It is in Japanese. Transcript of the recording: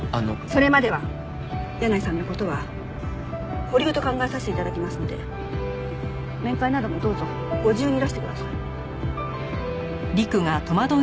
それまでは箭内さんの事は保留と考えさせて頂きますので面会などもどうぞご自由にいらしてください。